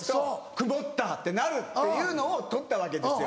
曇った！ってなるっていうのを撮ったわけですよ。